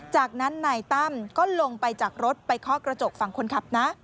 จากนั้นนายตั้มก็ลงไปจากรถไปเคาะกระจกฝั่งคนขับนะ